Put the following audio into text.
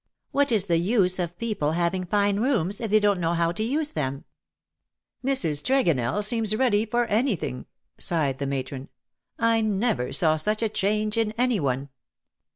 What is the use of people having fine rooms if they don^t know how to use them V " Mrs. Tregonell seems ready for anything/' sighed the matron. " I never saw such a change in any one.